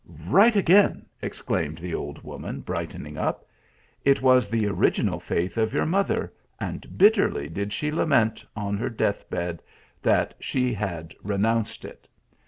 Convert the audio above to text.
" Right again !" exclaimed the old woman, bright ening up. " It was the original faith of your mother ; and bitterly did she lament, on her death bed, that she had renounced it.